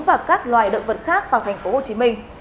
và các loài động vật khác vào thành phố hồ chí minh